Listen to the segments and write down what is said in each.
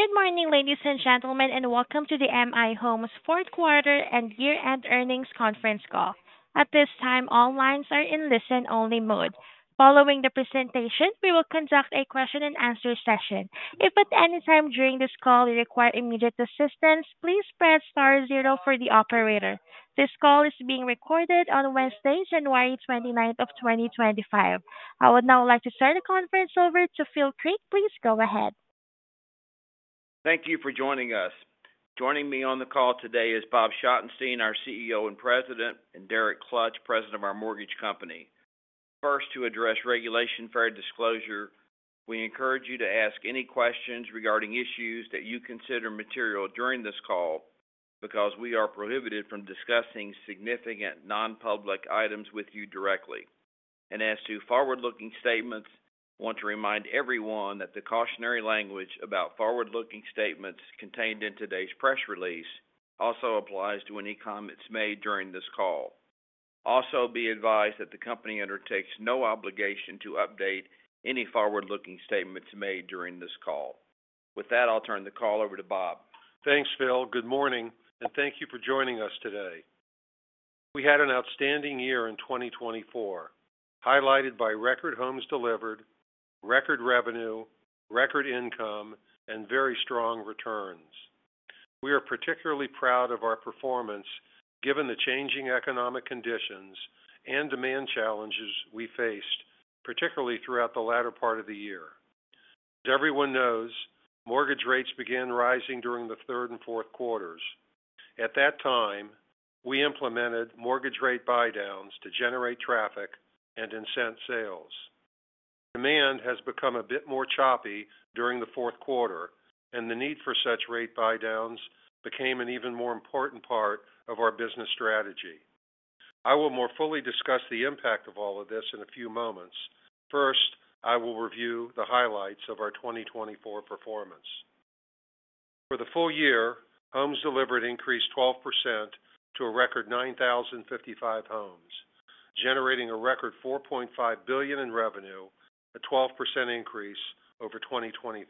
Good morning, ladies and gentlemen, and welcome to the M/I Homes Fourth Quarter and Year-End Earnings Conference Call. At this time, all lines are in listen-only mode. Following the presentation, we will conduct a question-and-answer session. If at any time during this call you require immediate assistance, please press star zero for the operator. This call is being recorded on Wednesday, January 29th of 2025. I would now like to turn the conference over to Phil Creek. Please go ahead. Thank you for joining us. Joining me on the call today is Bob Schottenstein, our CEO and President, and Derek Klutch, President of our mortgage company. First, to address Regulation Fair Disclosure, we encourage you to ask any questions regarding issues that you consider material during this call because we are prohibited from discussing significant non-public items with you directly. And as to forward-looking statements, I want to remind everyone that the cautionary language about forward-looking statements contained in today's press release also applies to any comments made during this call. Also, be advised that the company undertakes no obligation to update any forward-looking statements made during this call. With that, I'll turn the call over to Bob. Thanks, Phil. Good morning, and thank you for joining us today. We had an outstanding year in 2024, highlighted by record homes delivered, record revenue, record income, and very strong returns. We are particularly proud of our performance given the changing economic conditions and demand challenges we faced, particularly throughout the latter part of the year. As everyone knows, mortgage rates began rising during the third and fourth quarters. At that time, we implemented mortgage rate buy-downs to generate traffic and incent sales. Demand has become a bit more choppy during the fourth quarter, and the need for such rate buy-downs became an even more important part of our business strategy. I will more fully discuss the impact of all of this in a few moments. First, I will review the highlights of our 2024 performance. For the full year, homes delivered increased 12% to a record 9,055 homes, generating a record $4.5 billion in revenue, a 12% increase over 2023.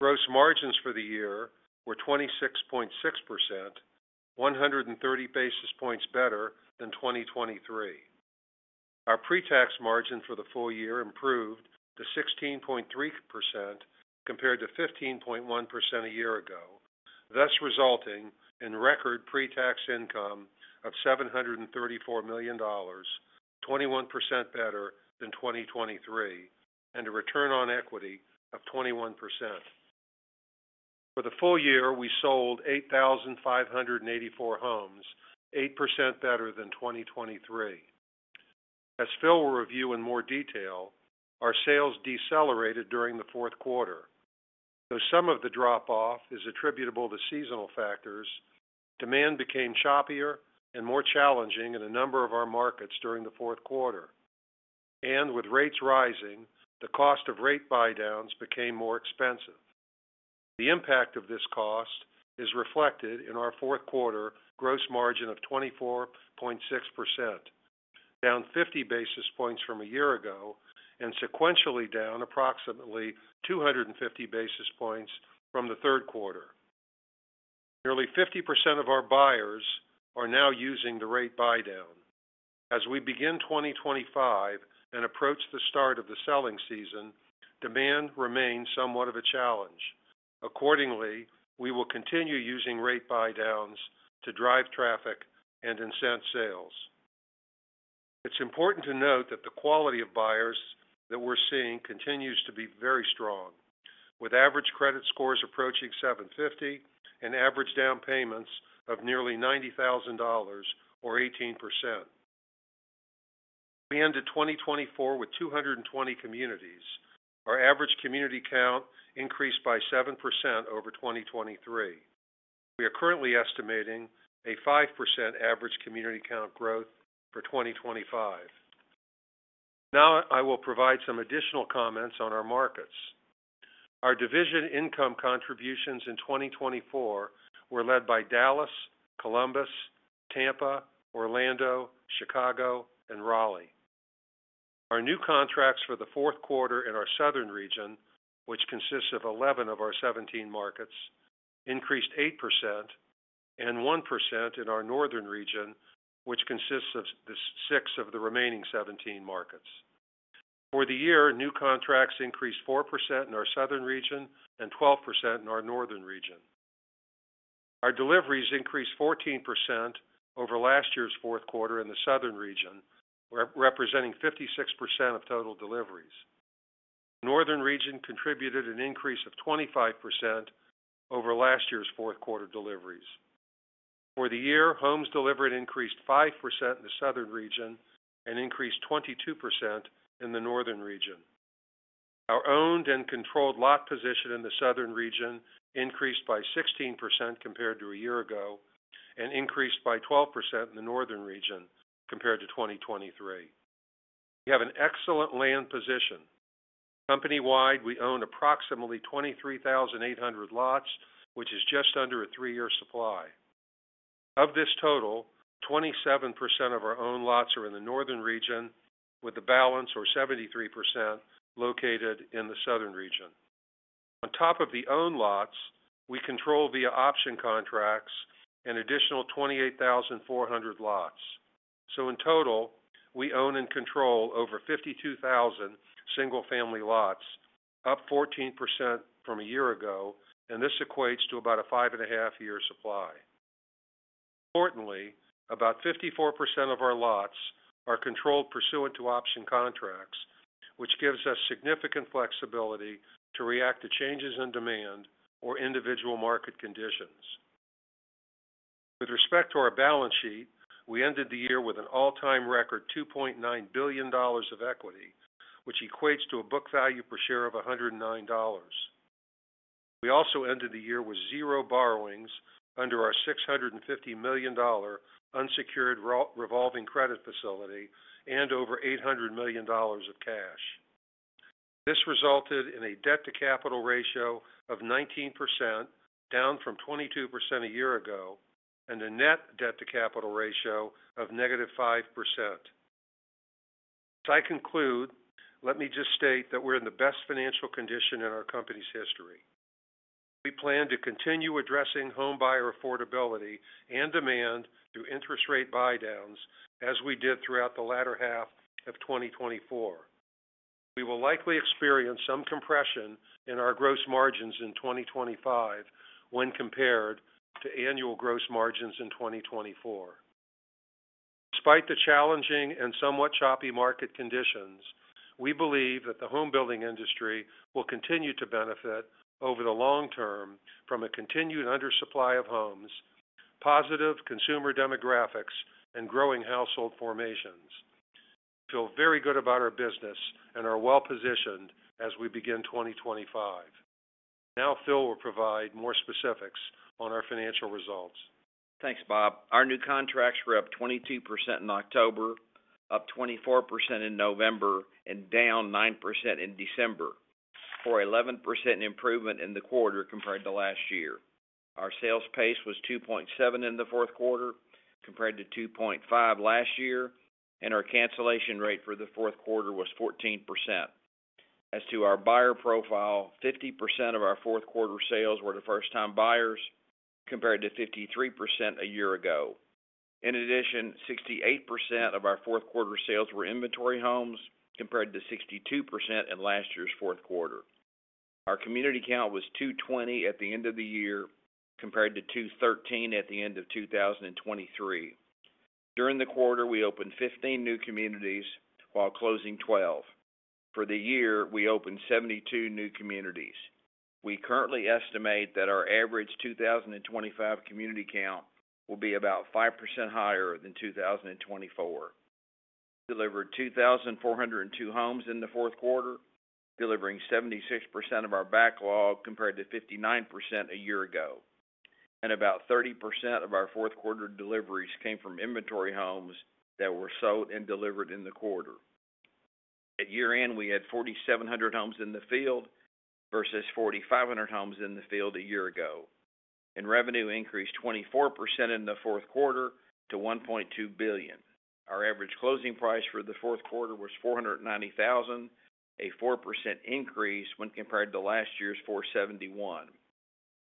Gross margins for the year were 26.6%, 130 basis points better than 2023. Our pre-tax margin for the full year improved to 16.3% compared to 15.1% a year ago, thus resulting in record pre-tax income of $734 million, 21% better than 2023, and a return on equity of 21%. For the full year, we sold 8,584 homes, 8% better than 2023. As Phil will review in more detail, our sales decelerated during the fourth quarter. Though some of the drop-off is attributable to seasonal factors, demand became choppier and more challenging in a number of our markets during the fourth quarter, and with rates rising, the cost of rate buy-downs became more expensive. The impact of this cost is reflected in our fourth quarter gross margin of 24.6%, down 50 basis points from a year ago and sequentially down approximately 250 basis points from the third quarter. Nearly 50% of our buyers are now using the rate buy-down. As we begin 2025 and approach the start of the selling season, demand remains somewhat of a challenge. Accordingly, we will continue using rate buy-downs to drive traffic and incent sales. It's important to note that the quality of buyers that we're seeing continues to be very strong, with average credit scores approaching 750 and average down payments of nearly $90,000 or 18%. We ended 2024 with 220 communities. Our average community count increased by 7% over 2023. We are currently estimating a 5% average community count growth for 2025. Now, I will provide some additional comments on our markets. Our division income contributions in 2024 were led by Dallas, Columbus, Tampa, Orlando, Chicago, and Raleigh. Our new contracts for the fourth quarter in our southern region, which consists of 11 of our 17 markets, increased 8%, and 1% in our northern region, which consists of six of the remaining 17 markets. For the year, new contracts increased 4% in our southern region and 12% in our northern region. Our deliveries increased 14% over last year's fourth quarter in the southern region, representing 56% of total deliveries. The northern region contributed an increase of 25% over last year's fourth quarter deliveries. For the year, homes delivered increased 5% in the southern region and increased 22% in the northern region. Our owned and controlled lot position in the southern region increased by 16% compared to a year ago and increased by 12% in the northern region compared to 2023. We have an excellent land position. Company-wide, we own approximately 23,800 lots, which is just under a three-year supply. Of this total, 27% of our owned lots are in the northern region, with the balance, or 73%, located in the southern region. On top of the owned lots, we control via option contracts an additional 28,400 lots. So in total, we own and control over 52,000 single-family lots, up 14% from a year ago, and this equates to about a five-and-a-half-year supply. Importantly, about 54% of our lots are controlled pursuant to option contracts, which gives us significant flexibility to react to changes in demand or individual market conditions. With respect to our balance sheet, we ended the year with an all-time record $2.9 billion of equity, which equates to a book value per share of $109. We also ended the year with zero borrowings under our $650 million unsecured revolving credit facility and over $800 million of cash. This resulted in a debt-to-capital ratio of 19%, down from 22% a year ago, and a net debt-to-capital ratio of negative 5%. As I conclude, let me just state that we're in the best financial condition in our company's history. We plan to continue addressing home buyer affordability and demand through interest rate buy-downs as we did throughout the latter half of 2024. We will likely experience some compression in our gross margins in 2025 when compared to annual gross margins in 2024. Despite the challenging and somewhat choppy market conditions, we believe that the home-building industry will continue to benefit over the long term from a continued undersupply of homes, positive consumer demographics, and growing household formations. We feel very good about our business and are well-positioned as we begin 2025. Now, Phil will provide more specifics on our financial results. Thanks, Bob. Our new contracts were up 22% in October, up 24% in November, and down 9% in December, for an 11% improvement in the quarter compared to last year. Our sales pace was 2.7 in the fourth quarter compared to 2.5 last year, and our cancellation rate for the fourth quarter was 14%. As to our buyer profile, 50% of our fourth quarter sales were first-time buyers compared to 53% a year ago. In addition, 68% of our fourth quarter sales were inventory homes compared to 62% in last year's fourth quarter. Our community count was 220 at the end of the year compared to 213 at the end of 2023. During the quarter, we opened 15 new communities while closing 12. For the year, we opened 72 new communities. We currently estimate that our average 2025 community count will be about 5% higher than 2024. We delivered 2,402 homes in the fourth quarter, delivering 76% of our backlog compared to 59% a year ago. And about 30% of our fourth quarter deliveries came from inventory homes that were sold and delivered in the quarter. At year-end, we had 4,700 homes in the field versus 4,500 homes in the field a year ago. And revenue increased 24% in the fourth quarter to $1.2 billion. Our average closing price for the fourth quarter was $490,000, a 4% increase when compared to last year's $471,000.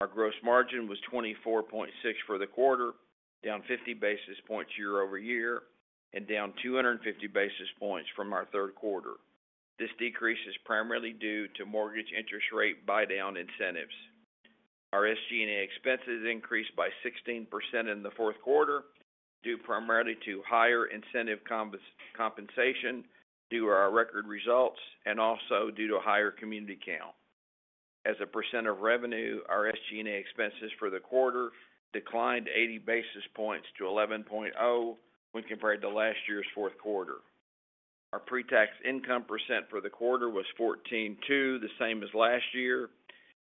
Our gross margin was 24.6% for the quarter, down 50 basis points year over year, and down 250 basis points from our third quarter. This decrease is primarily due to mortgage interest rate buy-down incentives. Our SG&A expenses increased by 16% in the fourth quarter due primarily to higher incentive compensation due to our record results and also due to higher community count. As a C of revenue, our SG&A expenses for the quarter declined 80 basis points to 11.0 percent when compared to last year's fourth quarter. Our pre-tax income % for the quarter was 14.2, the same as last year.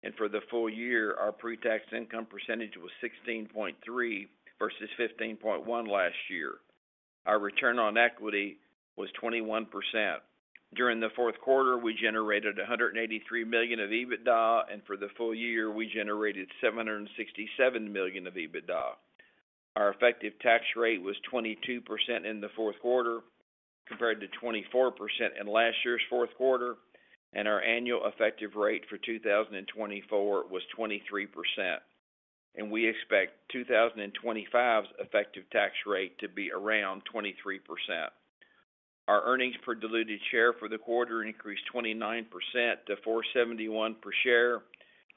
And for the full year, our pre-tax income % was 16.3 versus 15.1 last year. Our return on equity was 21%. During the fourth quarter, we generated $183 million of EBITDA, and for the full year, we generated $767 million of EBITDA. Our effective tax rate was 22% in the fourth quarter compared to 24% in last year's fourth quarter, and our annual effective rate for 2024 was 23%. And we expect 2025's effective tax rate to be around 23%. Our earnings per diluted share for the quarter increased 29% to $4.71 per share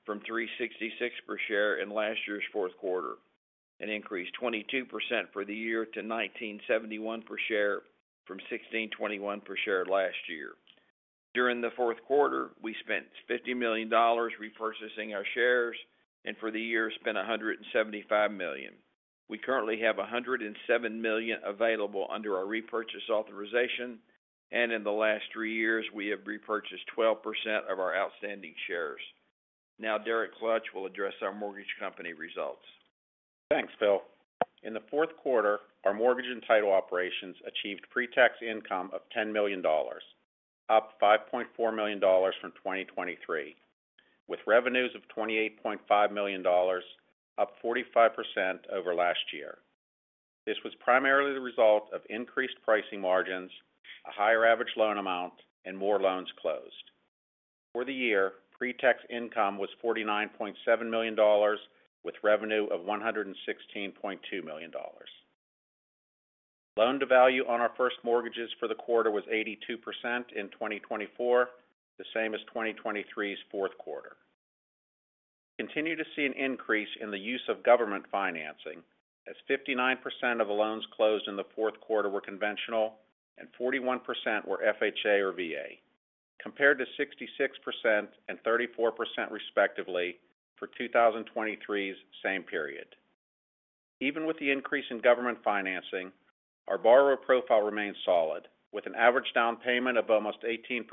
from $3.66 per share in last year's fourth quarter, and increased 22% for the year to $19.71 per share from $16.21 per share last year. During the fourth quarter, we spent $50 million repurchasing our shares, and for the year, spent $175 million. We currently have $107 million available under our repurchase authorization, and in the last three years, we have repurchased 12% of our outstanding shares. Now, Derek Kluch will address our mortgage company results. Thanks, Phil. In the fourth quarter, our mortgage and title operations achieved pre-tax income of $10 million, up $5.4 million from 2023, with revenues of $28.5 million, up 45% over last year. This was primarily the result of increased pricing margins, a higher average loan amount, and more loans closed. For the year, pre-tax income was $49.7 million, with revenue of $116.2 million. Loan-to-value on our first mortgages for the quarter was 82% in 2024, the same as 2023's fourth quarter. We continue to see an increase in the use of government financing, as 59% of the loans closed in the fourth quarter were conventional, and 41% were FHA or VA, compared to 66% and 34%, respectively, for 2023's same period. Even with the increase in government financing, our borrower profile remains solid, with an average down payment of almost 18%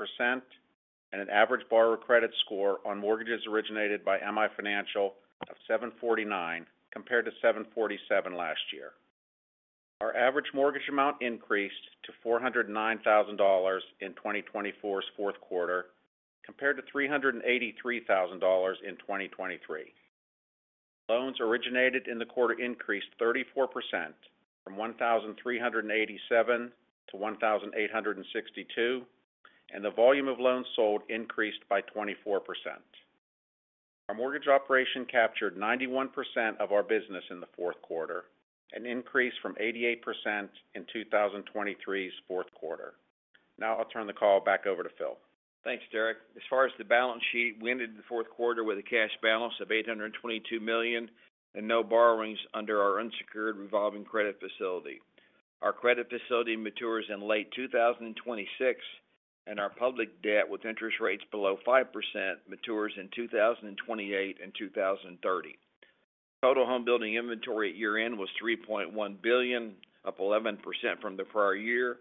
and an average borrower credit score on mortgages originated by M/I Financial of 749 compared to 747 last year. Our average mortgage amount increased to $409,000 in 2024's fourth quarter compared to $383,000 in 2023. Loans originated in the quarter increased 34% from 1,387 to 1,862, and the volume of loans sold increased by 24%. Our mortgage operation captured 91% of our business in the fourth quarter, an increase from 88% in 2023's fourth quarter. Now, I'll turn the call back over to Phil. Thanks, Derek. As far as the balance sheet, we ended the fourth quarter with a cash balance of $822 million and no borrowings under our unsecured revolving credit facility. Our credit facility matures in late 2026, and our public debt with interest rates below 5% matures in 2028 and 2030. Total home-building inventory at year-end was $3.1 billion, up 11% from the prior year,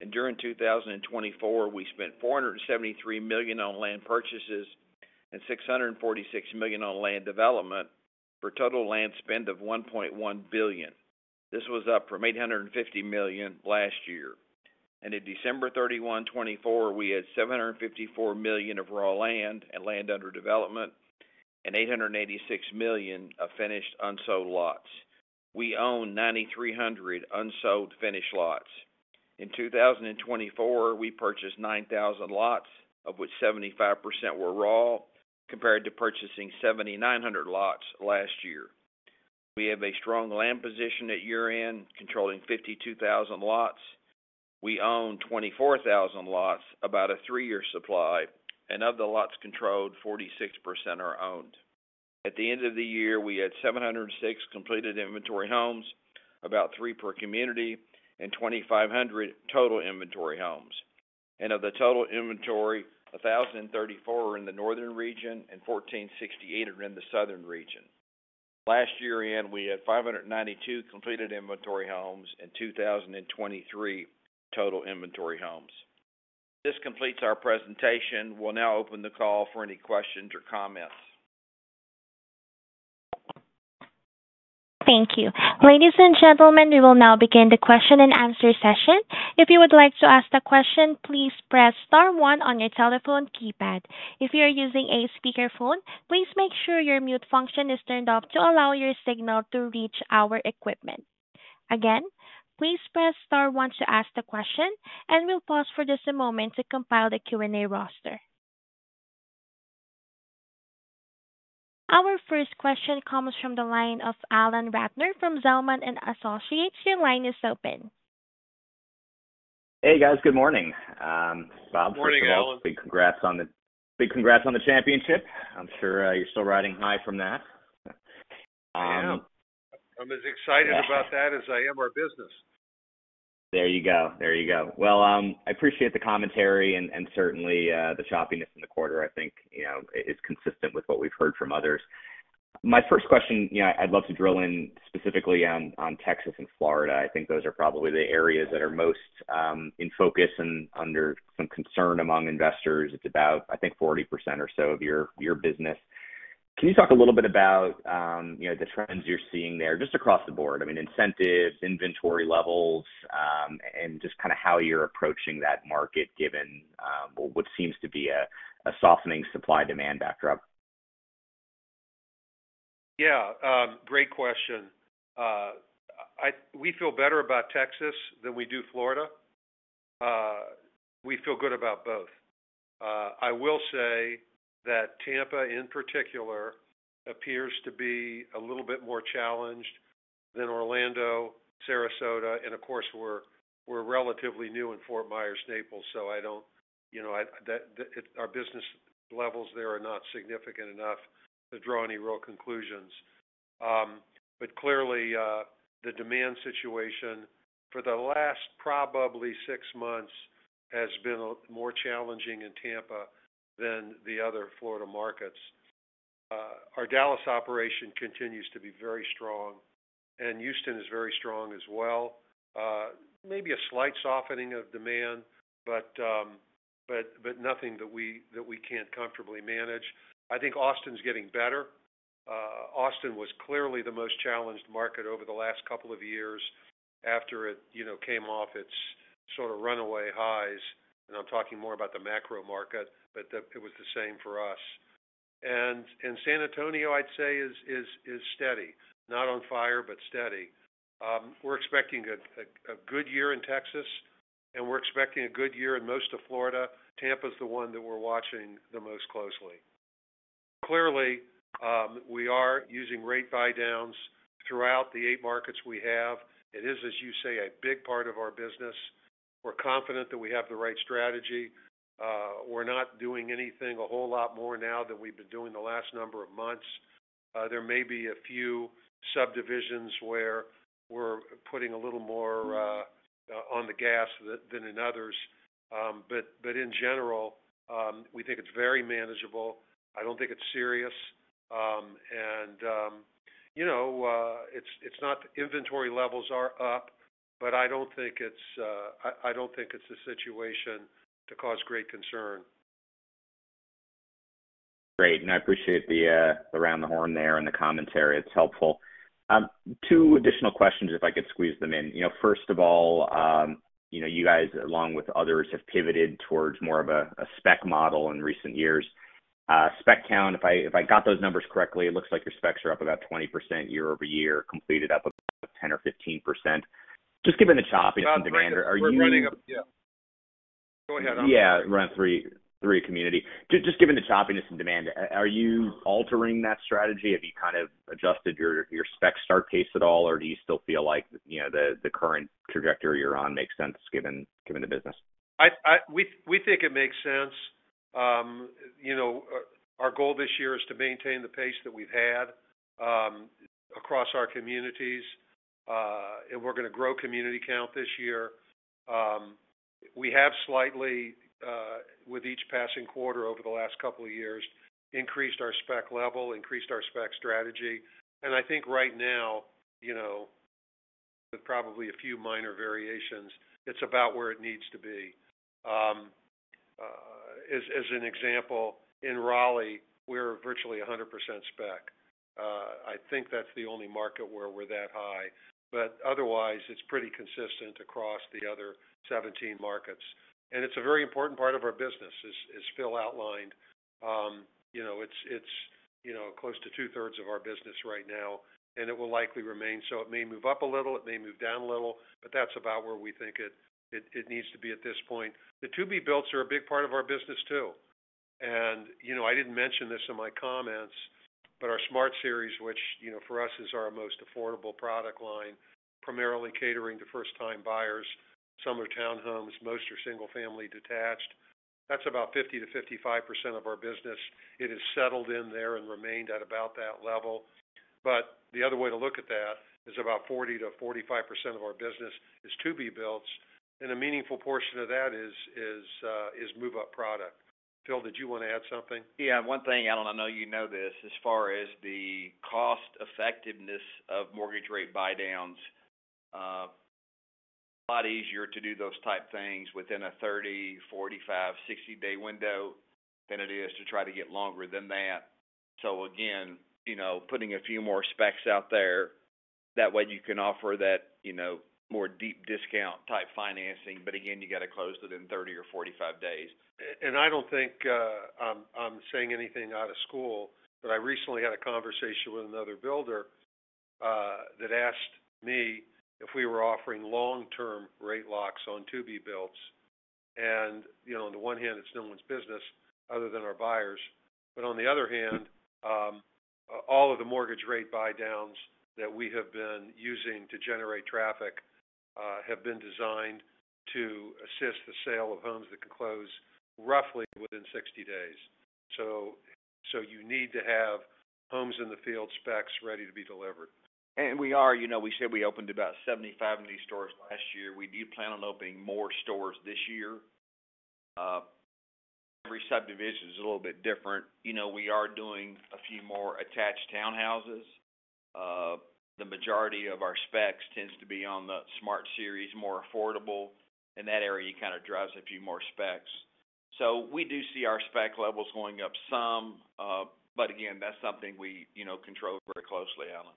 and during 2024, we spent $473 million on land purchases and $646 million on land development for a total land spend of $1.1 billion. This was up from $850 million last year, and at December 31, 2024, we had $754 million of raw land and land under development and $886 million of finished unsold lots. We own 9,300 unsold finished lots. In 2024, we purchased 9,000 lots, of which 75% were raw, compared to purchasing 7,900 lots last year. We have a strong land position at year-end, controlling 52,000 lots. We own 24,000 lots, about a three-year supply, and of the lots controlled, 46% are owned. At the end of the year, we had 706 completed inventory homes, about three per community, and 2,500 total inventory homes, and of the total inventory, 1,034 are in the northern region and 1,468 are in the southern region. Last year-end, we had 592 completed inventory homes and 2,023 total inventory homes. This completes our presentation. We'll now open the call for any questions or comments. Thank you. Ladies and gentlemen, we will now begin the question-and-answer session. If you would like to ask a question, please press star one on your telephone keypad. If you are using a speakerphone, please make sure your mute function is turned off to allow your signal to reach our equipment. Again, please press star one to ask the question, and we'll pause for just a moment to compile the Q&A roster. Our first question comes from the line of Alan Ratner from Zelman & Associates. Your line is open. Hey, guys. Good morning. Bob, first of all, big congrats on the championship. I'm sure you're still riding high from that. I'm as excited about that as I am our business. There you go. There you go. I appreciate the commentary and certainly the choppiness in the quarter. I think it is consistent with what we've heard from others. My first question, I'd love to drill in specifically on Texas and Florida. I think those are probably the areas that are most in focus and under some concern among investors. It's about, I think, 40% or so of your business. Can you talk a little bit about the trends you're seeing there, just across the board? I mean, incentives, inventory levels, and just kind of how you're approaching that market given what seems to be a softening supply-demand backdrop? Yeah. Great question. We feel better about Texas than we do Florida. We feel good about both. I will say that Tampa, in particular, appears to be a little bit more challenged than Orlando, Sarasota, and of course, we're relatively new in Fort Myers, Naples, so our business levels there are not significant enough to draw any real conclusions. But clearly, the demand situation for the last probably six months has been more challenging in Tampa than the other Florida markets. Our Dallas operation continues to be very strong, and Houston is very strong as well. Maybe a slight softening of demand, but nothing that we can't comfortably manage. I think Austin's getting better. Austin was clearly the most challenged market over the last couple of years after it came off its sort of runaway highs. I'm talking more about the macro market, but it was the same for us. San Antonio, I'd say, is steady. Not on fire, but steady. We're expecting a good year in Texas, and we're expecting a good year in most of Florida. Tampa's the one that we're watching the most closely. Clearly, we are using rate buy-downs throughout the eight markets we have. It is, as you say, a big part of our business. We're confident that we have the right strategy. We're not doing anything a whole lot more now than we've been doing the last number of months. There may be a few subdivisions where we're putting a little more on the gas than in others. In general, we think it's very manageable. I don't think it's serious. It's not the inventory levels are up, but I don't think it's a situation to cause great concern. Great. And I appreciate the round-the-horn there and the commentary. It's helpful. Two additional questions, if I could squeeze them in. First of all, you guys, along with others, have pivoted towards more of a spec model in recent years. Spec count, if I got those numbers correctly, it looks like your specs are up about 20% year over year, completed up about 10% or 15%. Just given the choppiness and demand, are you? Yeah. Go ahead. I'm sorry. Yeah. Rent-free community. Just given the choppiness and demand, are you altering that strategy? Have you kind of adjusted your spec start pace at all, or do you still feel like the current trajectory you're on makes sense given the business? We think it makes sense. Our goal this year is to maintain the pace that we've had across our communities, and we're going to grow community count this year. We have slightly, with each passing quarter over the last couple of years, increased our spec level, increased our spec strategy, and I think right now, with probably a few minor variations, it's about where it needs to be. As an example, in Raleigh, we're virtually 100% spec. I think that's the only market where we're that high, but otherwise, it's pretty consistent across the other 17 markets, and it's a very important part of our business, as Phil outlined. It's close to two-thirds of our business right now, and it will likely remain, so it may move up a little. It may move down a little, but that's about where we think it needs to be at this point. The to-be-builts are a big part of our business too, and I didn't mention this in my comments, but our Smart Series, which for us is our most affordable product line, primarily catering to first-time buyers, some are townhomes, most are single-family detached. That's about 50%-55% of our business. It has settled in there and remained at about that level, but the other way to look at that is about 40%-45% of our business is to-be-builts, and a meaningful portion of that is move-up product. Phil, did you want to add something? Yeah. One thing, Alan, I know you know this. As far as the cost-effectiveness of mortgage rate buy-downs, it's a lot easier to do those type things within a 30-day, 45-day, 60-day window than it is to try to get longer than that. So again, putting a few more specs out there, that way you can offer that more deep discount-type financing. But again, you got to close within 30-day or 45 days. And I don't think I'm saying anything out of school, but I recently had a conversation with another builder that asked me if we were offering long-term rate locks on to-be-builts. And on the one hand, it's no one's business other than our buyers. But on the other hand, all of the mortgage rate buy-downs that we have been using to generate traffic have been designed to assist the sale of homes that can close roughly within 60 days. So you need to have homes-in-the-field specs ready to be delivered. And we are. We said we opened about 75 new stores last year. We do plan on opening more stores this year. Every subdivision is a little bit different. We are doing a few more attached townhouses. The majority of our specs tends to be on the Smart Series, more affordable. In that area, you kind of drive a few more specs. So we do see our spec levels going up some, but again, that's something we control very closely, Alan.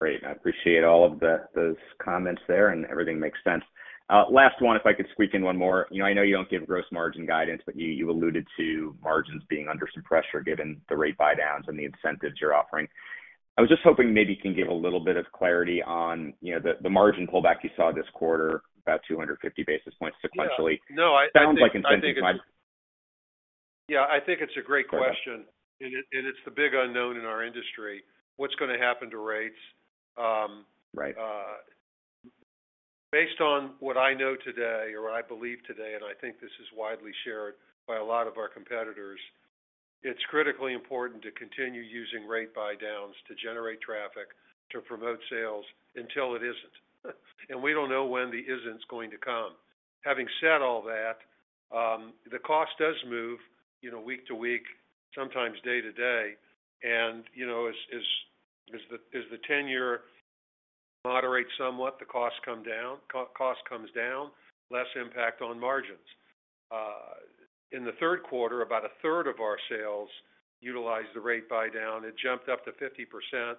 Great. I appreciate all of those comments there, and everything makes sense. Last one, if I could squeak in one more. I know you don't give gross margin guidance, but you alluded to margins being under some pressure given the rate buy-downs and the incentives you're offering. I was just hoping maybe you can give a little bit of clarity on the margin pullback you saw this quarter, about 250 basis points sequentially. No. I think. Sounds like incentives might. Yeah. I think it's a great question, and it's the big unknown in our industry, what's going to happen to rates. Based on what I know today or what I believe today, and I think this is widely shared by a lot of our competitors, it's critically important to continue using rate buy-downs to generate traffic, to promote sales until it isn't, and we don't know when the isn't's going to come. Having said all that, the cost does move week to week, sometimes day to day, and as the ten-year moderates somewhat, the cost comes down, less impact on margins. In the third quarter, about a third of our sales utilized the rate buy-down. It jumped up to 50%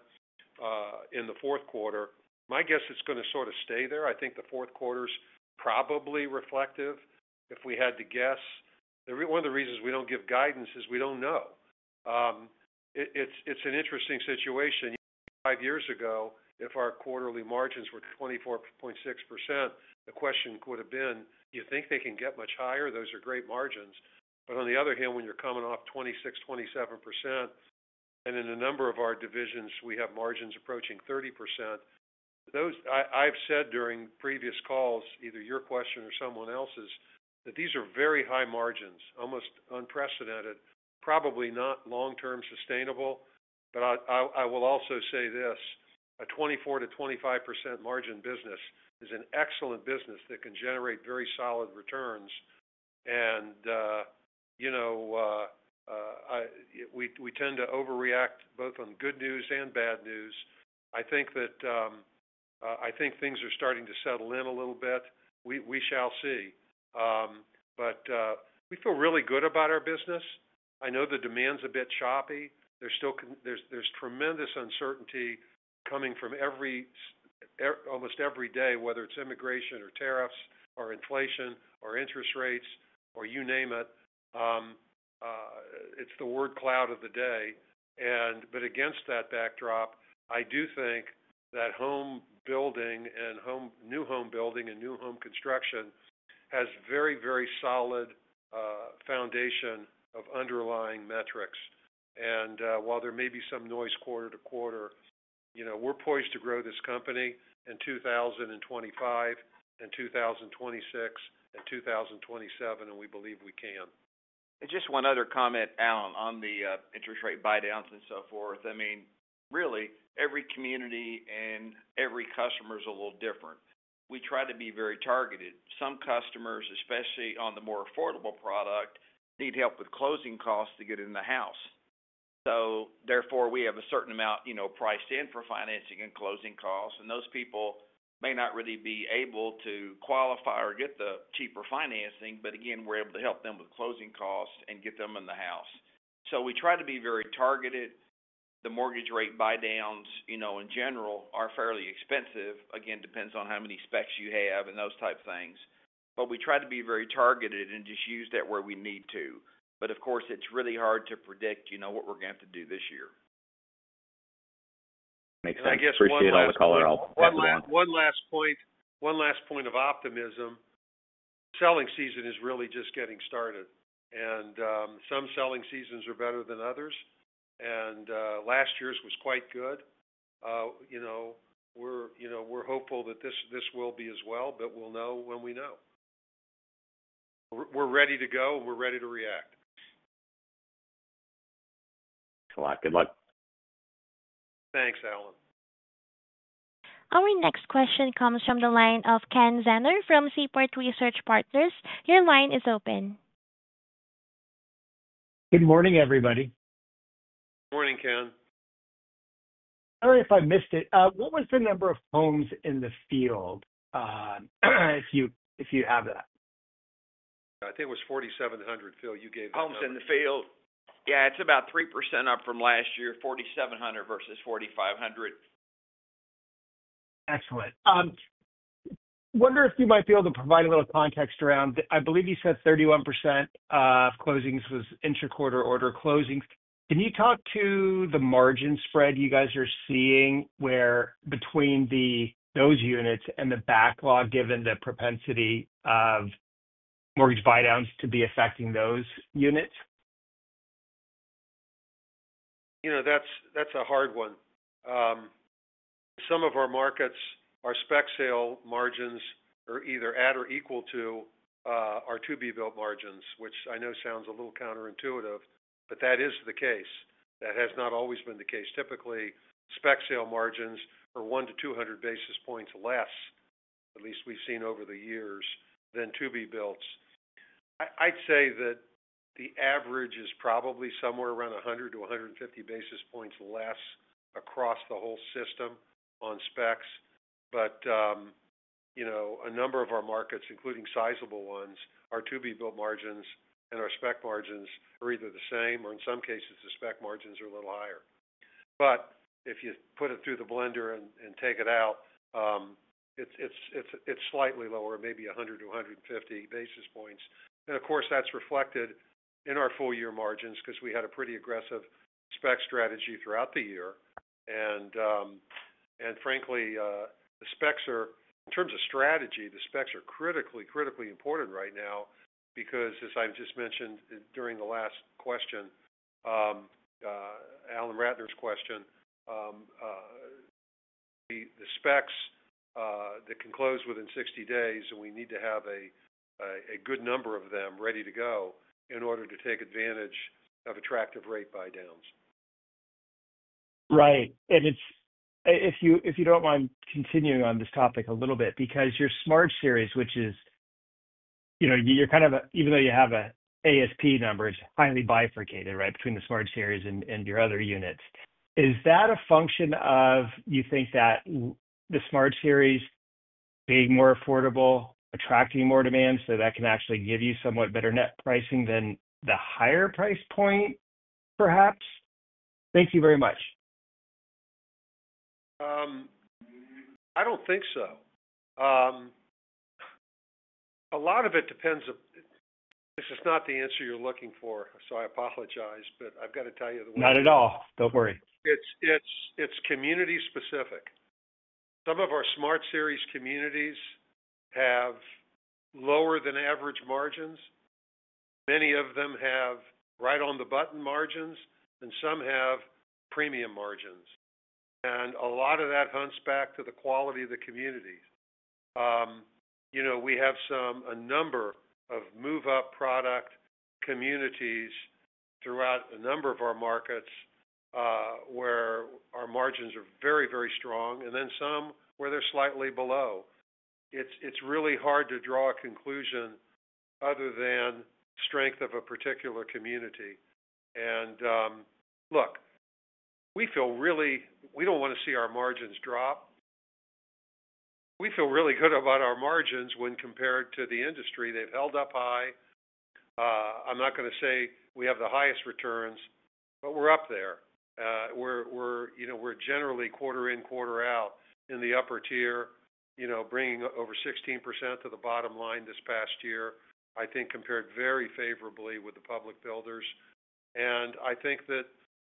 in the fourth quarter. My guess it's going to sort of stay there. I think the fourth quarter's probably reflective, if we had to guess. One of the reasons we don't give guidance is we don't know. It's an interesting situation. Five years ago, if our quarterly margins were 24.6%, the question could have been, "You think they can get much higher? Those are great margins." But on the other hand, when you're coming off 26%-27%, and in a number of our divisions, we have margins approaching 30%. I've said during previous calls, either your question or someone else's, that these are very high margins, almost unprecedented, probably not long-term sustainable. But I will also say this: a 24%-25% margin business is an excellent business that can generate very solid returns. And we tend to overreact both on good news and bad news. I think things are starting to settle in a little bit. We shall see. But we feel really good about our business. I know the demand's a bit choppy. There's tremendous uncertainty coming from almost every day, whether it's immigration or tariffs or inflation or interest rates or you name it. It's the word cloud of the day, but against that backdrop, I do think that home building and new home building and new home construction has very, very solid foundation of underlying metrics, and while there may be some noise quarter to quarter, we're poised to grow this company in 2025 and 2026 and 2027, and we believe we can. Just one other comment, Alan, on the interest rate buy-downs and so forth. I mean, really, every community and every customer is a little different. We try to be very targeted. Some customers, especially on the more affordable product, need help with closing costs to get in the house. So therefore, we have a certain amount priced in for financing and closing costs. And those people may not really be able to qualify or get the cheaper financing, but again, we're able to help them with closing costs and get them in the house. So we try to be very targeted. The mortgage rate buy-downs, in general, are fairly expensive. Again, depends on how many specs you have and those type things. But we try to be very targeted and just use that where we need to. But of course, it's really hard to predict what we're going to have to do this year. Makes sense. Appreciate all the call-outs. One last point of optimism. Selling season is really just getting started, and some selling seasons are better than others, and last year's was quite good. We're hopeful that this will be as well, but we'll know when we know. We're ready to go, and we're ready to react. Good luck. Thanks, Alan. Our next question comes from the line of Ken Zener from Seaport Research Partners. Your line is open. Good morning, everybody. Morning, Ken. I don't know if I missed it. What was the number of homes in the field, if you have that? I think it was 4,700. Phil, you gave that. Homes in the field. Yeah. It's about 3% up from last year, 4,700 versus 4,500. Excellent. Wonder if you might be able to provide a little context around. I believe you said 31% of closings was intra-quarter order closings. Can you talk to the margin spread you guys are seeing between those units and the backlog, given the propensity of mortgage buy-downs to be affecting those units? That's a hard one. In some of our markets, our spec sale margins are either at or equal to our to-be-built margins, which I know sounds a little counterintuitive, but that is the case. That has not always been the case. Typically, spec sale margins are 100 basis points-200 basis points less, at least we've seen over the years, than to-be-builts. I'd say that the average is probably somewhere around 100 basis points-150 basis points less across the whole system on specs. But a number of our markets, including sizable ones, our to-be-built margins and our spec margins are either the same, or in some cases, the spec margins are a little higher. But if you put it through the blender and take it out, it's slightly lower, maybe 100 basis points-150 basis points. Of course, that's reflected in our full-year margins because we had a pretty aggressive spec strategy throughout the year. Frankly, in terms of strategy, the specs are critically, critically important right now because, as I've just mentioned during the last question, Alan Ratner's question, the specs that can close within 60 days, and we need to have a good number of them ready to go in order to take advantage of attractive rate buy-downs. Right. And if you don't mind continuing on this topic a little bit, because your Smart Series, which is you're kind of even though you have an ASP number, it's highly bifurcated, right, between the Smart Series and your other units. Is that a function of, you think, that the Smart Series being more affordable, attracting more demand, so that can actually give you somewhat better net pricing than the higher price point, perhaps? Thank you very much. I don't think so. A lot of it depends on this. This is not the answer you're looking for, so I apologize, but I've got to tell you the way. Not at all. Don't worry. It's community-specific. Some of our Smart Series communities have lower-than-average margins. Many of them have right-on-the-button margins, and some have premium margins. A lot of that harks back to the quality of the community. We have a number of move-up product communities throughout a number of our markets where our margins are very, very strong, and then some where they're slightly below. It's really hard to draw a conclusion other than strength of a particular community. Look, we feel really we don't want to see our margins drop. We feel really good about our margins when compared to the industry. They've held up high. I'm not going to say we have the highest returns, but we're up there. We're generally quarter in, quarter out in the upper tier, bringing over 16% to the bottom line this past year, I think, compared very favorably with the public builders. I think that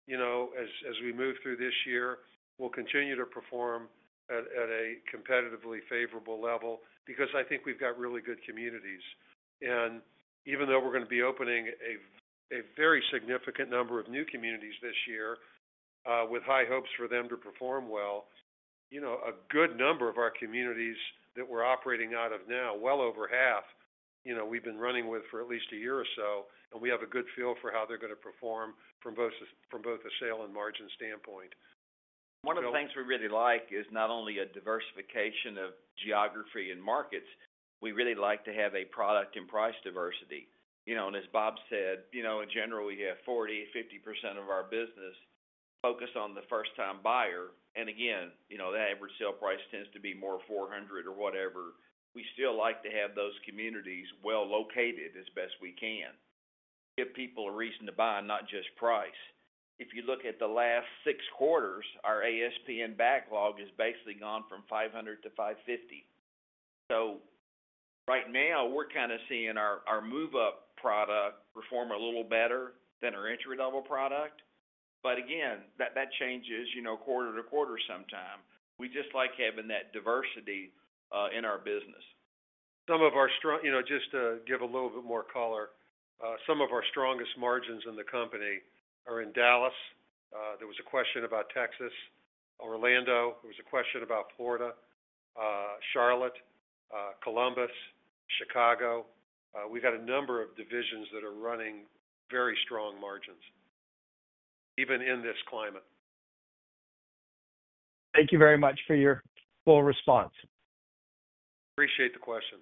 as we move through this year, we'll continue to perform at a competitively favorable level because I think we've got really good communities. Even though we're going to be opening a very significant number of new communities this year with high hopes for them to perform well, a good number of our communities that we're operating out of now, well over half, we've been running with for at least a year or so, and we have a good feel for how they're going to perform from both a sale and margin standpoint. One of the things we really like is not only a diversification of geography and markets. We really like to have a product and price diversity. And as Bob said, in general, we have 40%-50% of our business focused on the first-time buyer. And again, that average sale price tends to be more $400,000 or whatever. We still like to have those communities well located as best we can to give people a reason to buy, not just price. If you look at the last six quarters, our ASP and backlog has basically gone from $500,000 to $550,000. So right now, we're kind of seeing our move-up product perform a little better than our entry-level product. But again, that changes quarter to quarter sometimes. We just like having that diversity in our business. Just to give a little bit more color, some of our strongest margins in the company are in Dallas. There was a question about Texas. Orlando. There was a question about Florida, Charlotte, Columbus, Chicago. We've had a number of divisions that are running very strong margins, even in this climate. Thank you very much for your full response. Appreciate the question.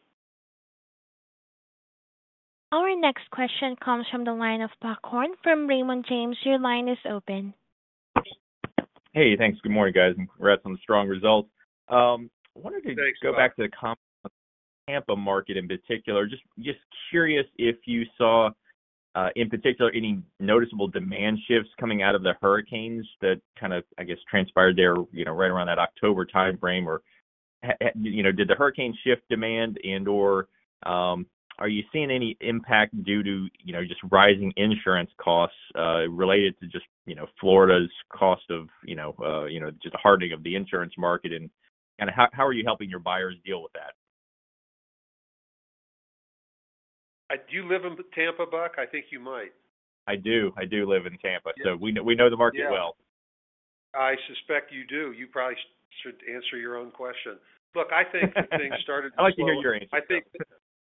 Our next question comes from the line of Buck Horne from Raymond James. Your line is open. Hey. Thanks. Good morning, guys. We're out on strong results. I wanted to go back to the Tampa market in particular. Just curious if you saw, in particular, any noticeable demand shifts coming out of the hurricanes that kind of, I guess, transpired there right around that October time frame. Or did the hurricane shift demand? And/or are you seeing any impact due to just rising insurance costs related to just Florida's cost of just the hardening of the insurance market? And kind of how are you helping your buyers deal with that? Do you live in Tampa, Buck? I think you might. I do. I do live in Tampa. So we know the market well. I suspect you do. You probably should answer your own question. Look, I think that things started. I'd like to hear your answer.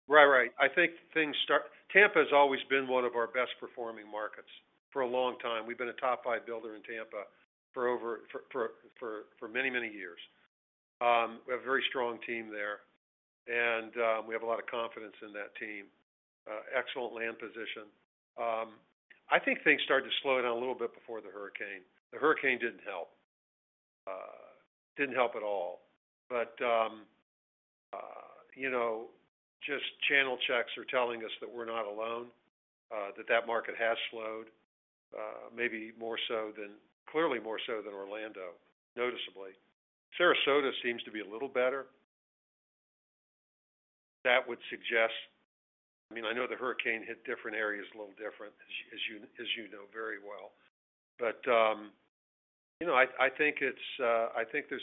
Right, right. I think things in Tampa has always been one of our best-performing markets for a long time. We've been a top-five builder in Tampa for many, many years. We have a very strong team there, and we have a lot of confidence in that team. Excellent land position. I think things started to slow down a little bit before the hurricane. The hurricane didn't help. Didn't help at all. But just channel checks are telling us that we're not alone, that the market has slowed, maybe more so than, clearly more so than Orlando, noticeably. Sarasota seems to be a little better. That would suggest, I mean, I know the hurricane hit different areas a little different, as you know very well. But I think there's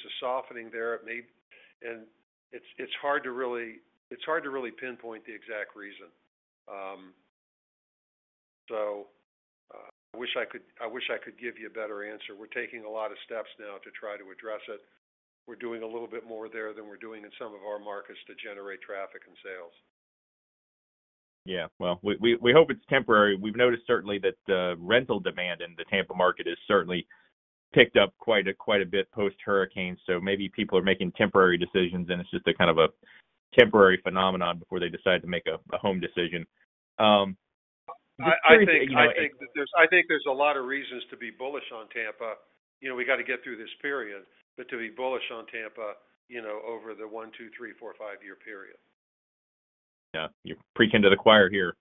a softening there. And it's hard to really pinpoint the exact reason. So I wish I could give you a better answer. We're taking a lot of steps now to try to address it. We're doing a little bit more there than we're doing in some of our markets to generate traffic and sales. Yeah. Well, we hope it's temporary. We've noticed certainly that the rental demand in the Tampa market has certainly picked up quite a bit post-hurricane. So maybe people are making temporary decisions, and it's just a kind of a temporary phenomenon before they decide to make a home decision. I think there's a lot of reasons to be bullish on Tampa. We got to get through this period to be bullish on Tampa over the one, two, three, four, five-year period. Yeah. You're preaching to the choir here.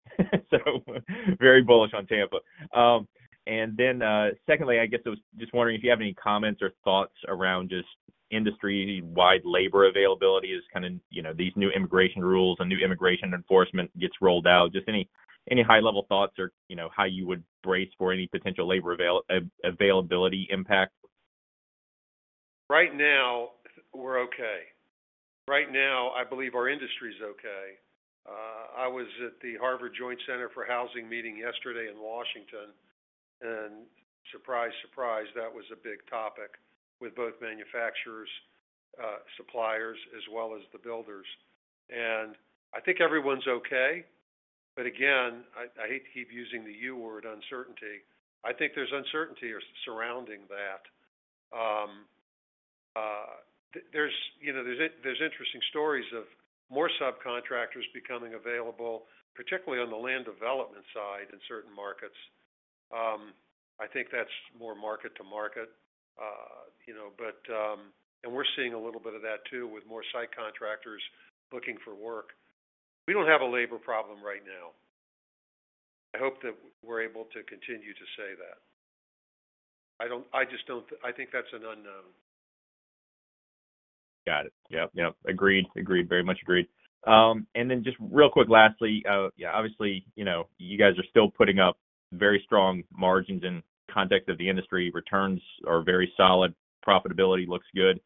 So very bullish on Tampa. And then secondly, I guess I was just wondering if you have any comments or thoughts around just industry-wide labor availability as kind of these new immigration rules and new immigration enforcement gets rolled out. Just any high-level thoughts or how you would brace for any potential labor availability impact? Right now, we're okay. Right now, I believe our industry is okay. I was at the Harvard Joint Center for Housing Studies meeting yesterday in Washington, and surprise, surprise, that was a big topic with both manufacturers, suppliers, as well as the builders. And I think everyone's okay. But again, I hate to keep using the you word, uncertainty. I think there's uncertainty surrounding that. There's interesting stories of more subcontractors becoming available, particularly on the land development side in certain markets. I think that's more market to market. And we're seeing a little bit of that too with more site contractors looking for work. We don't have a labor problem right now. I hope that we're able to continue to say that. I just don't think that's an unknown. Got it. Yep, yep. Agreed. Agreed. Very much agreed. And then just real quick, lastly, yeah, obviously, you guys are still putting up very strong margins in context of the industry. Returns are very solid. Profitability looks good.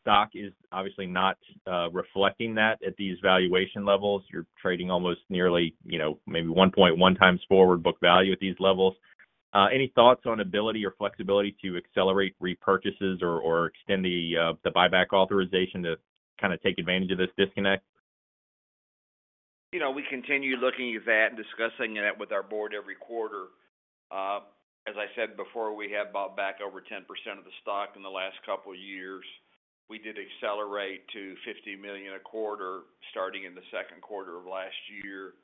Stock is obviously not reflecting that at these valuation levels. You're trading almost nearly maybe 1.1 times forward book value at these levels. Any thoughts on ability or flexibility to accelerate repurchases or extend the buyback authorization to kind of take advantage of this disconnect? We continue looking at that and discussing that with our board every quarter. As I said before, we have bought back over 10% of the stock in the last couple of years. We did accelerate to $50 million a quarter starting in the second quarter of last year.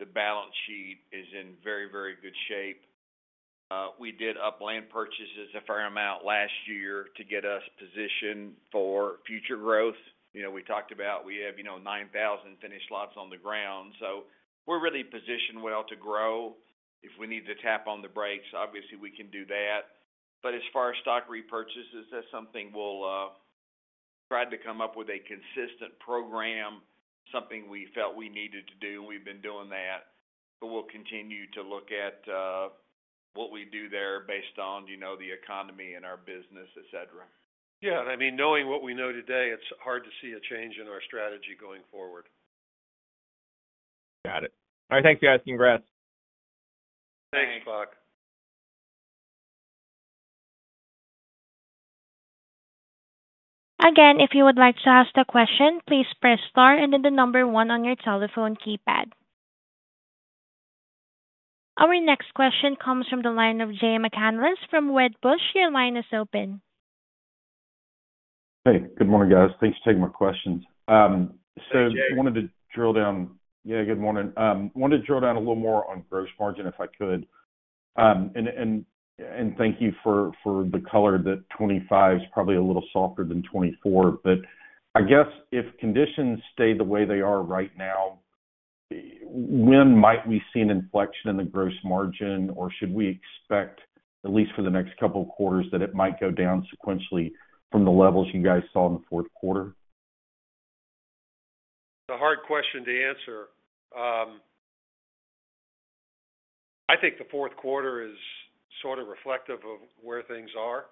The balance sheet is in very, very good shape. We did up land purchases a fair amount last year to get us positioned for future growth. We talked about we have 9,000 finished lots on the ground. So we're really positioned well to grow. If we need to tap on the brakes, obviously, we can do that. But as far as stock repurchases, that's something we'll try to come up with a consistent program, something we felt we needed to do, and we've been doing that. But we'll continue to look at what we do there based on the economy and our business, etc. Yeah. And I mean, knowing what we know today, it's hard to see a change in our strategy going forward. Got it. All right. Thanks, guys. Congrats. Thanks, Buck. Again, if you would like to ask a question, please press star and then the number one on your telephone keypad. Our next question comes from the line of Jay McCanless from Wedbush. Your line is open. Hey. Good morning, guys. Thanks for taking my questions. Thanks, Jay. Good morning. Wanted to drill down a little more on gross margin if I could. Thank you for the color that 25 is probably a little softer than 24. I guess if conditions stay the way they are right now, when might we see an inflection in the gross margin, or should we expect, at least for the next couple of quarters, that it might go down sequentially from the levels you guys saw in the fourth quarter? It's a hard question to answer. I think the fourth quarter is sort of reflective of where things are.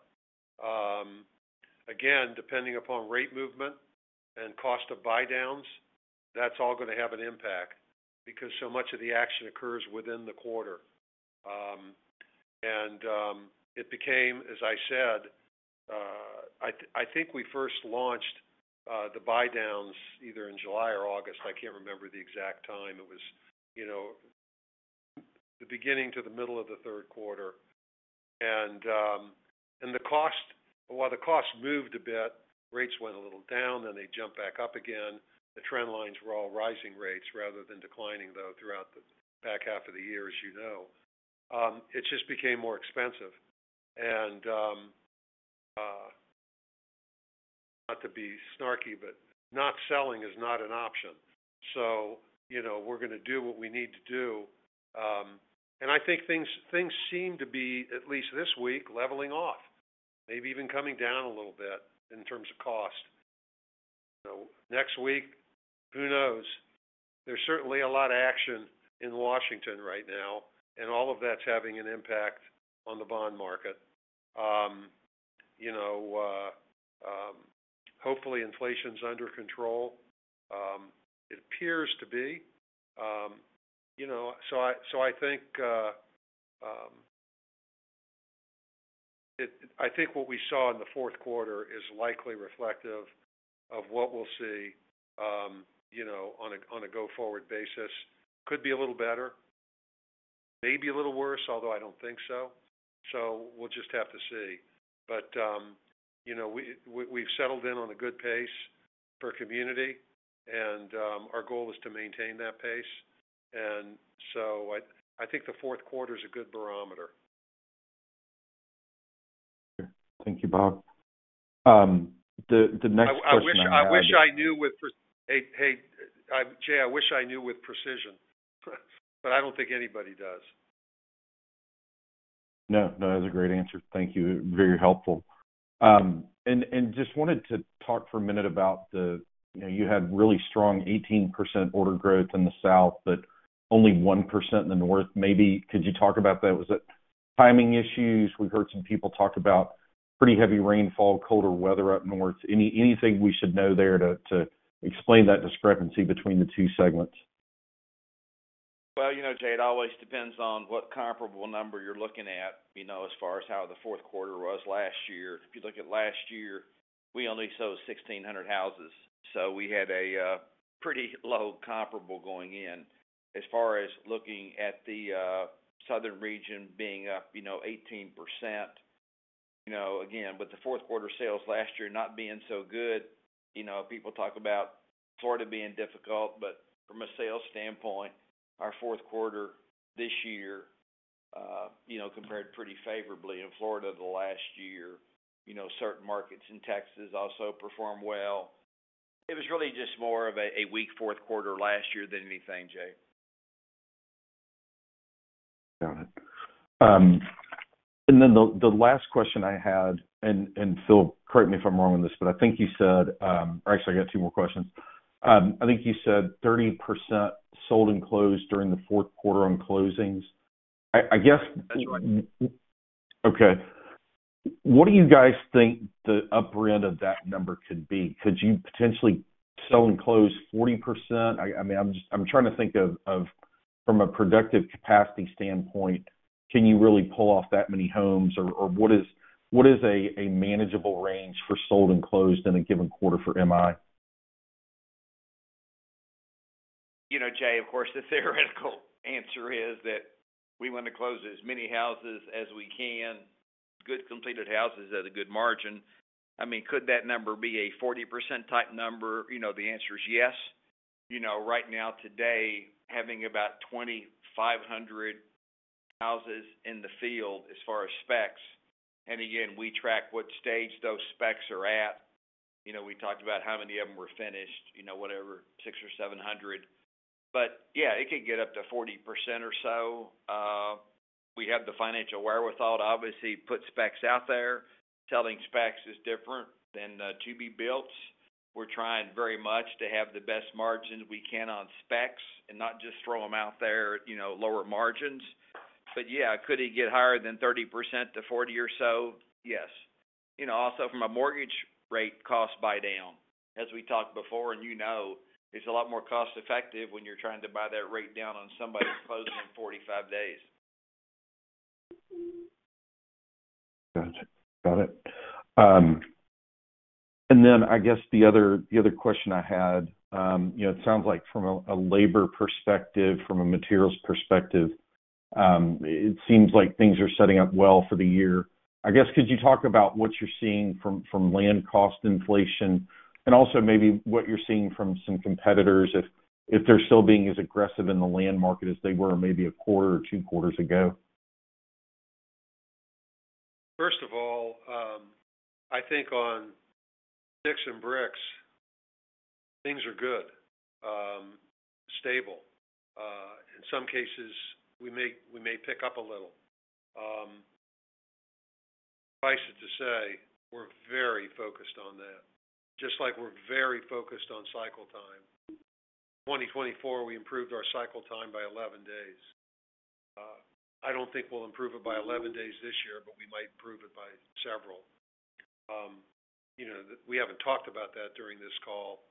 Again, depending upon rate movement and cost of buy-downs, that's all going to have an impact because so much of the action occurs within the quarter. And it became, as I said, I think we first launched the buy-downs either in July or August. I can't remember the exact time. It was the beginning to the middle of the third quarter. And while the cost moved a bit, rates went a little down, then they jumped back up again. The trend lines were all rising rates rather than declining, though, throughout the back half of the year, as you know. It just became more expensive. And not to be snarky, but not selling is not an option. So we're going to do what we need to do. And I think things seem to be, at least this week, leveling off, maybe even coming down a little bit in terms of cost. Next week, who knows? There's certainly a lot of action in Washington right now, and all of that's having an impact on the bond market. Hopefully, inflation's under control. It appears to be. So I think what we saw in the fourth quarter is likely reflective of what we'll see on a go-forward basis. Could be a little better, maybe a little worse, although I don't think so. So we'll just have to see. But we've settled in on a good pace per community, and our goal is to maintain that pace. And so I think the fourth quarter is a good barometer. Thank you, Bob. The next question I have. Hey, Jay, I wish I knew with precision, but I don't think anybody does. No, no. That was a great answer. Thank you. Very helpful, and just wanted to talk for a minute about you had really strong 18% order growth in the south, but only 1% in the north. Maybe could you talk about that? Was it timing issues? We've heard some people talk about pretty heavy rainfall, colder weather up north. Anything we should know there to explain that discrepancy between the two segments? Jay, it always depends on what comparable number you're looking at as far as how the fourth quarter was last year. If you look at last year, we only sold 1,600 houses. So we had a pretty low comparable going in. As far as looking at the southern region being up 18%, again, with the fourth quarter sales last year not being so good, people talk about Florida being difficult. But from a sales standpoint, our fourth quarter this year compared pretty favorably. In Florida the last year, certain markets in Texas also performed well. It was really just more of a weak fourth quarter last year than anything, Jay. Got it. And then the last question I had, and Phil, correct me if I'm wrong on this, but I think you said—or actually, I got two more questions. I think you said 30% sold and closed during the fourth quarter on closings. I guess. That's right. Okay. What do you guys think the upper end of that number could be? Could you potentially sell and close 40%? I mean, I'm trying to think of from a productive capacity standpoint, can you really pull off that many homes? Or what is a manageable range for sold and closed in a given quarter for M/I? Jay, of course, the theoretical answer is that we want to close as many houses as we can, good completed houses at a good margin. I mean, could that number be a 40% type number? The answer is yes. Right now, today, having about 2,500 houses in the field as far as specs. And again, we track what stage those specs are at. We talked about how many of them were finished, whatever, 600 or 700. But yeah, it could get up to 40% or so. We have the financial wherewithal, obviously, put specs out there. Selling specs is different than to-be-builts. We're trying very much to have the best margins we can on specs and not just throw them out there, lower margins. But yeah, could it get higher than 30%-40% or so? Yes. Also, from a mortgage rate cost buy-down. As we talked before, and you know, it's a lot more cost-effective when you're trying to buy that rate down on somebody closing in 45 days. Gotcha. Got it. And then I guess the other question I had, it sounds like from a labor perspective, from a materials perspective, it seems like things are setting up well for the year. I guess could you talk about what you're seeing from land cost inflation and also maybe what you're seeing from some competitors if they're still being as aggressive in the land market as they were maybe a quarter or two quarters ago? First of all, I think on sticks and bricks, things are good, stable. In some cases, we may pick up a little. Suffice it to say, we're very focused on that, just like we're very focused on cycle time. 2024, we improved our cycle time by 11 days. I don't think we'll improve it by 11 days this year, but we might improve it by several. We haven't talked about that during this call,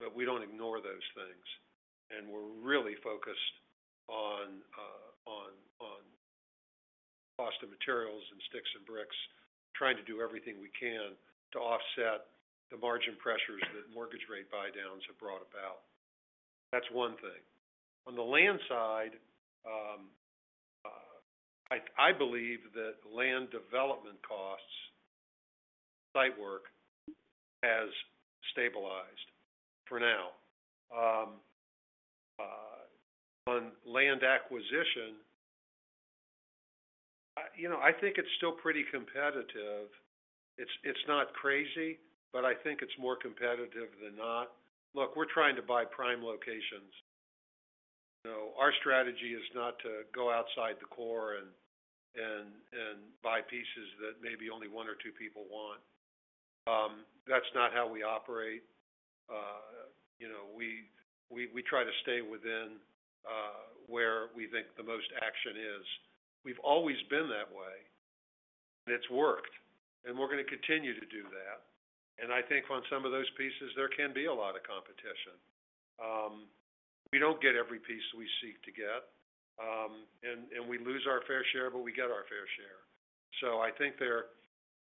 but we don't ignore those things, and we're really focused on cost of materials and sticks and bricks, trying to do everything we can to offset the margin pressures that mortgage rate buy-downs have brought about. That's one thing. On the land side, I believe that land development costs, site work has stabilized for now. On land acquisition, I think it's still pretty competitive. It's not crazy, but I think it's more competitive than not. Look, we're trying to buy prime locations. Our strategy is not to go outside the core and buy pieces that maybe only one or two people want. That's not how we operate. We try to stay within where we think the most action is. We've always been that way, and it's worked, and we're going to continue to do that, and I think on some of those pieces, there can be a lot of competition. We don't get every piece we seek to get, and we lose our fair share, but we get our fair share, so I think there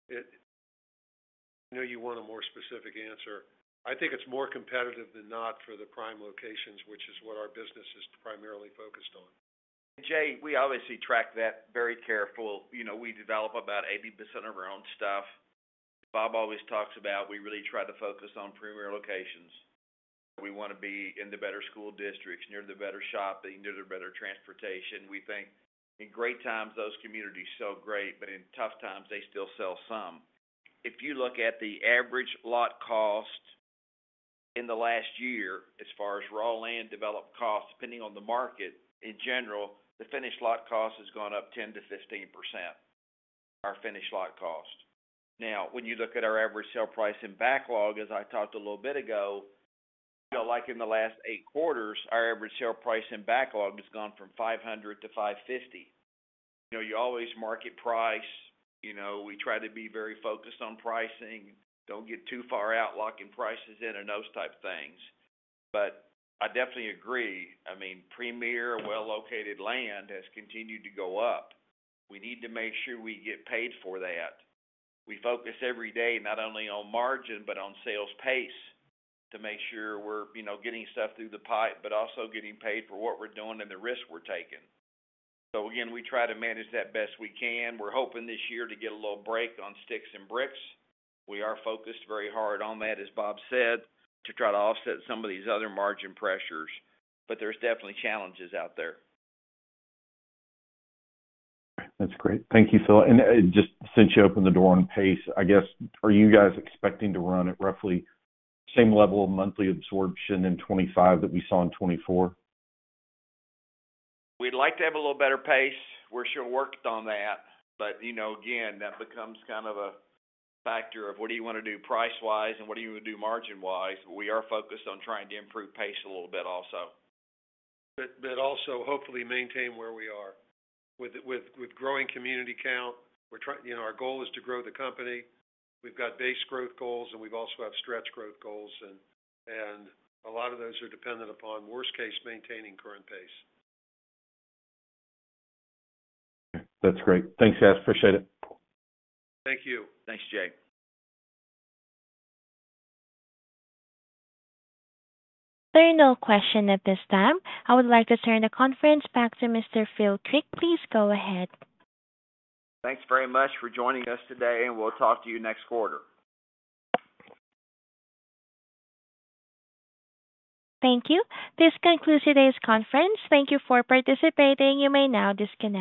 I know you want a more specific answer. I think it's more competitive than not for the prime locations, which is what our business is primarily focused on. Jay, we obviously track that very carefully. We develop about 80% of our own stuff. Bob always talks about we really try to focus on premier locations. We want to be in the better school districts, near the better shopping, near the better transportation. We think in great times, those communities sell great, but in tough times, they still sell some. If you look at the average lot cost in the last year, as far as raw land development cost, depending on the market in general, the finished lot cost has gone up 10%-15%, our finished lot cost. Now, when you look at our average sale price in backlog, as I talked a little bit ago, like in the last eight quarters, our average sale price in backlog has gone from 500-550. You always market price. We try to be very focused on pricing. Don't get too far out locking prices in and those type things. But I definitely agree. I mean, premier, well-located land has continued to go up. We need to make sure we get paid for that. We focus every day not only on margin, but on sales pace to make sure we're getting stuff through the pipe, but also getting paid for what we're doing and the risk we're taking. So again, we try to manage that best we can. We're hoping this year to get a little break on sticks and bricks. We are focused very hard on that, as Bob said, to try to offset some of these other margin pressures. But there's definitely challenges out there. That's great. Thank you, Phil. And just since you opened the door on pace, I guess, are you guys expecting to run at roughly same level of monthly absorption in 2025 that we saw in 2024? We'd like to have a little better pace. We've sure worked on that, but again, that becomes kind of a factor of what do you want to do price-wise and what do you want to do margin-wise. But we are focused on trying to improve pace a little bit also, but also hopefully maintain where we are with growing community count. Our goal is to grow the company. We've got base growth goals, and we've also got stretch growth goals, and a lot of those are dependent upon, worst case, maintaining current pace. Okay. That's great. Thanks, Jay. Appreciate it. Thank you. Thanks, Jay. There are no questions at this time. I would like to turn the conference back to Mr. Phil Creek. Please go ahead. Thanks very much for joining us today, and we'll talk to you next quarter. Thank you. This concludes today's conference. Thank you for participating. You may now disconnect.